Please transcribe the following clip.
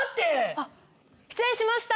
あっ失礼しました。